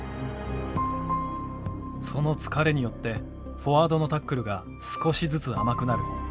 その疲れによってフォワードのタックルが少しずつ甘くなる。